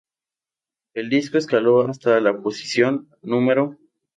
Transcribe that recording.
El disco escaló hasta la posición No.